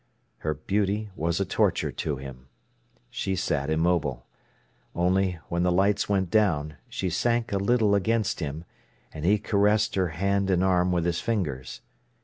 Her beauty was a torture to him. She sat immobile. Only, when the lights went down, she sank a little against him, and he caressed her hand and arm with his fingers.